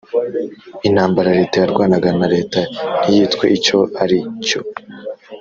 intambara leta yarwanaga na leta ntiyitwe icyo ari cyo